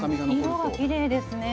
色がきれいですね。